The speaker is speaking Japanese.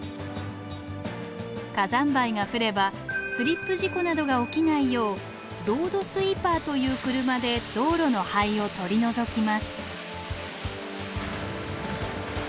火山灰が降ればスリップ事故などが起きないようロードスイーパーという車で道路の灰を取り除きます。